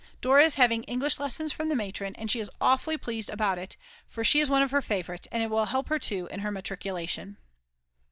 Dora is having English lessons from the matron, and she is awfully pleased about it, for she is one of her favourites and it will help her too in her matriculation.